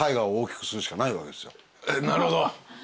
なるほど。